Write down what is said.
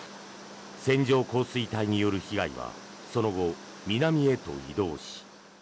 線状降水帯による被害はその後、南へと移動し。